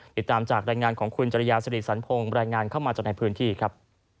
ติดตามจากรายงานของคุณจริยาสิริสันพงศ์รายงานเข้ามาจากในพื้นที่ครับ